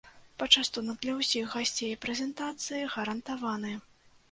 Пачастунак для ўсіх гасцей прэзентацыі гарантаваны.